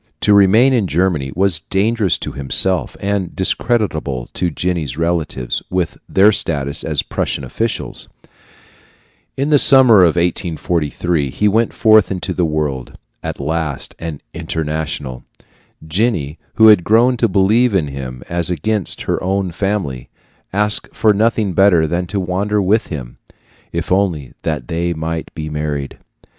To remain in Germany was dangerous to himself and discreditable to Jenny's relatives, with their status as Prussian officials. In the summer of 1843, he went forth into the world at last an "international." Jenny, who had grown to believe in him as against her own family, asked for nothing better than to wander with him, if only they might be married.